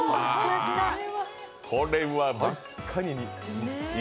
これは真っ赤に。